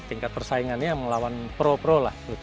tingkat persaingannya melawan pro pro lah